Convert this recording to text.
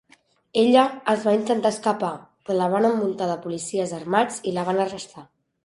Ella es va intentar escapar, però la van envoltar policies armats i la van arrestar.